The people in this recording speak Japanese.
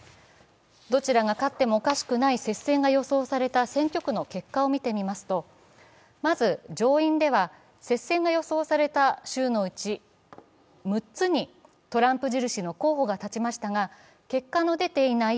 どちらが勝ってもおかしくない接戦が予想された選挙区の結果を見てみますとまず上院では接戦が予想された州のうち６つにトランプ印の候補が立ちましたが結果の出ていない